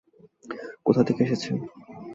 কোথা থেকে এসেছেন?